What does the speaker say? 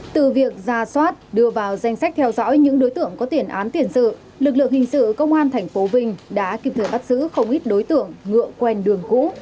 từ việc ra soát đưa vào danh sách theo dõi những đối tượng có tiền án tiền sự lực lượng hình sự công an tp vinh đã kịp thời bắt giữ không ít đối tượng ngựa quen đường cũ